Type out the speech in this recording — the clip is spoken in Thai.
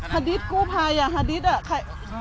ฮาดิสกูภายฮาดิสอ่ะ